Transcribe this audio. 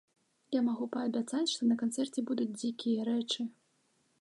Я магу паабяцаць, што на канцэрце будуць дзікія рэчы!